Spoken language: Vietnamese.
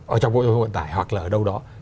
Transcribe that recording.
ở trong bộ giao thông vận tải hoặc là ở đâu đó